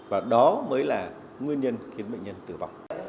và đó mới là nguyên nhân khiến bệnh nhân tử vong